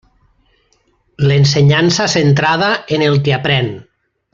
L'ensenyança centrada en el que aprén.